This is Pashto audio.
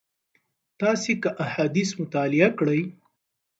تاسي که احاديث مطالعه کړئ